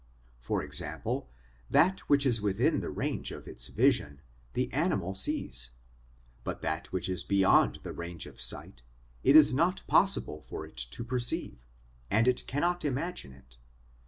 For example, that which is within the range of its vision the animal sees, but that which is beyond the range of sight it is not possible for it to perceive, and it cannot imagine it.